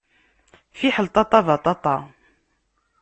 Fiḥel ṭaṭa, baṭaṭa!